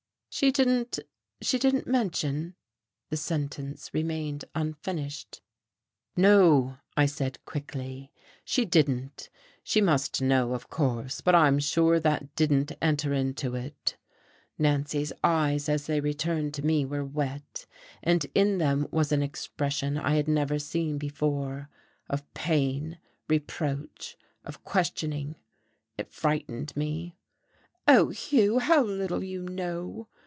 "She didn't she didn't mention ?" the sentence remained unfinished. "No," I said quickly, "she didn't. She must know, of course, but I'm sure that didn't enter into it." Nancy's eyes as they returned to me were wet, and in them was an expression I had never seen before, of pain, reproach, of questioning. It frightened me. "Oh, Hugh, how little you know!"